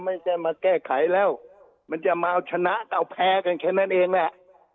ไม่ใช่มาแก้ไขแล้วมันจะมาเอาชนะเอาแพ้กันแค่นั้นเองแหละ